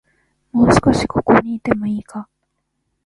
もう少し、ここにいてもいいか